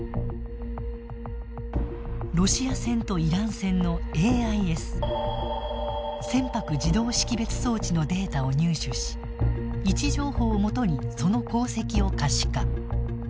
ロシア船とイラン船のＡＩＳ＝船舶自動識別装置のデータを入手し位置情報をもとにその航跡を可視化。